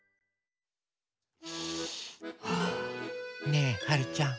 ねえはるちゃん。